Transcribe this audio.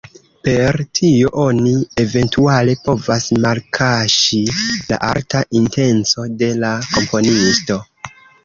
Per tio oni eventuale povas malkaŝi la arta intenco de la komponisto.